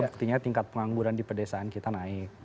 buktinya tingkat pengangguran di pedesaan kita naik